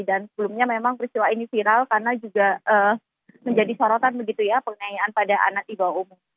dan sebelumnya memang peristiwa ini viral karena juga menjadi sorotan begitu ya penganiayaan pada anak ibu umum